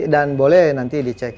dan boleh nanti dicek